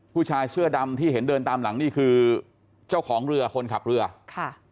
ผู้ชายเสื้อดำที่เห็นเดินตามหลังนี่คือเจ้าของเรือคนขับเรือค่ะ